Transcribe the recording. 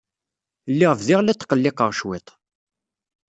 Lliɣ bdiɣ la tqelliqeɣ cwiṭ.